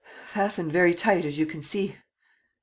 . fastened very tight, as you can see. .